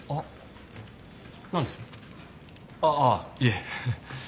ああいえ。